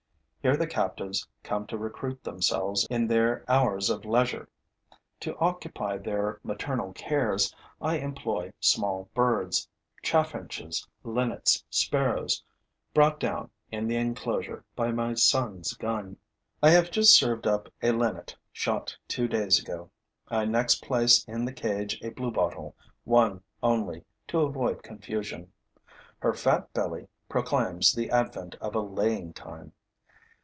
Here the captives come to recruit themselves in their hours of leisure. To occupy their maternal cares, I employ small birds chaffinches, linnets, sparrows brought down, in the enclosure, by my son's gun. I have just served up a Linnet shot two days ago. I next place in the cage a bluebottle, one only, to avoid confusion. Her fat belly proclaims the advent of a laying time.